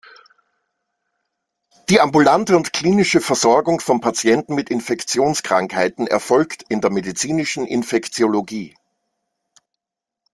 Die ambulante und klinische Versorgung von Patienten mit Infektionskrankheiten erfolgt in der "medizinischen Infektiologie".